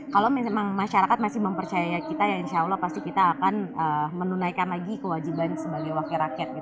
kalau memang masyarakat masih mempercaya kita ya insya allah pasti kita akan menunaikan lagi kewajiban sebagai wakil rakyat